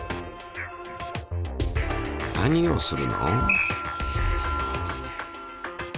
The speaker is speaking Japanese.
何をするの？